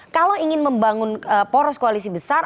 kalau ingin membangun poros koalisi besar